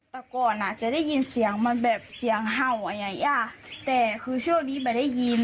แต่ก่อนอ่ะจะได้ยินเสียงมันแบบเสียงเห่าอ่ะแต่คือช่วงนี้ไม่ได้ยิน